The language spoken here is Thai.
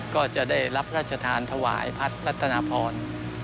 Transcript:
ก็จะได้รับราชธรรมถวายพัทธ์รัตนาพร